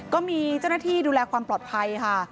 ก็มีเจ้าหน้าที่ดูแลความปลอดภัยค่ะ